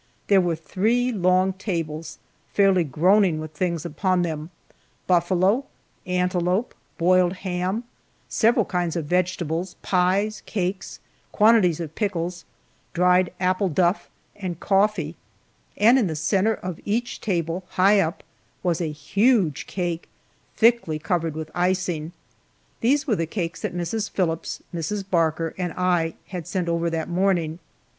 There were three long tables, fairly groaning with things upon them: buffalo, antelope, boiled ham, several kinds of vegetables, pies, cakes, quantities of pickles, dried "apple duff," and coffee, and in the center of each table, high up, was a huge cake thickly covered with icing. These were the cakes that Mrs. Phillips, Mrs. Barker, and I had sent over that morning.